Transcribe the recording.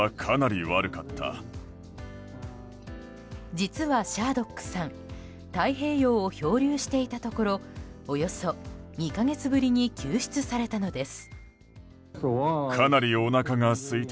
実はシャードックさん太平洋を漂流していたところおよそ２か月ぶりに救出されたのです。